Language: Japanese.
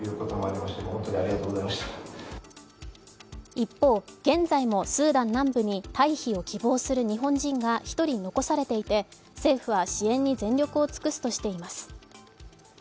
一方、現在もスーダン南部に退避を希望する日本人が１人残されていて政府は支援に全力を尽くすとしています。